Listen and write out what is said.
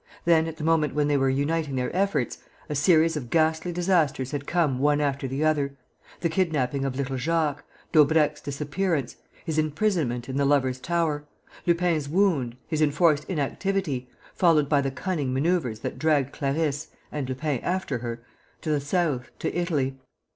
Then, at the moment when they were uniting their efforts, a series of ghastly disasters had come one after the other: the kidnapping of little Jacques, Daubrecq's disappearance, his imprisonment in the Lovers' Tower, Lupin's wound, his enforced inactivity, followed by the cunning manoeuvres that dragged Clarisse and Lupin after her to the south, to Italy.